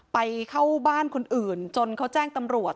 ไปเข้าบ้านคนอื่นจนเขาแจ้งตำรวจ